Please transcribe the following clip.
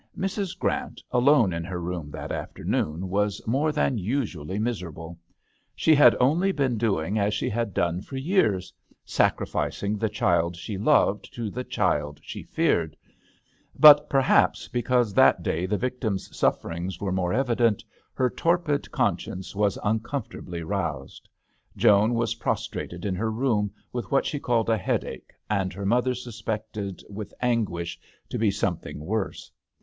Mrs. Grant, alone in her room that afternoon, was more than usually miserable. She had only been doing as she had done for years — sacrificing the child she loved to the child she feared ; but perhaps because that day the victim's sufferings were more evident, her torpid conscience THE h6tEL D'ANGLETERRE. 53 was uncomfortably roused. Joan was prostrate in her room with what she called a headache, and her mother suspected, with an guishy to be something worse.